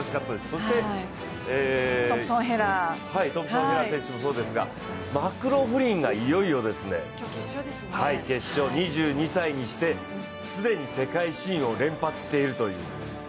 そしてトンプソン・ヘラ選手もそうですがマクローフリンがいよいよですね、決勝、２２歳にして、既に世界新を連発しているという。